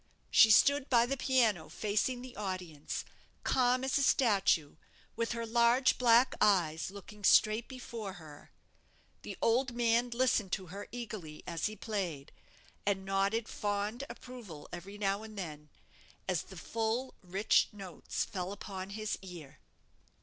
She stood by the piano, facing the audience, calm as a statue, with her large black eyes looking straight before her. The old man listened to her eagerly, as he played, and nodded fond approval every now and then, as the full, rich notes fell upon his ear.